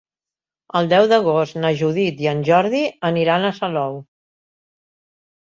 El deu d'agost na Judit i en Jordi aniran a Salou.